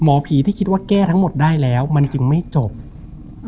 หมอผีที่คิดว่าแก้ทั้งหมดได้แล้วมันจึงไม่จบอืม